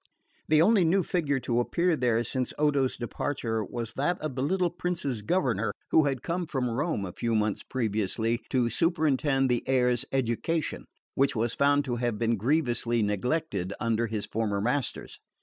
The only new figure to appear there since Odo's departure was that of the little prince's governor, who had come from Rome a few months previously to superintend the heir's education, which was found to have been grievously neglected under his former masters.